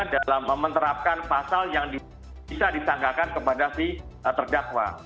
dalam menerapkan pasal yang bisa disangkakan kepada si terdakwa